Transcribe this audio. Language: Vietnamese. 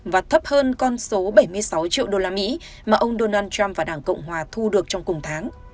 và thấp hơn con số bảy mươi sáu triệu đô la mỹ mà ông donald trump và đảng cộng hòa thu được trong cùng tháng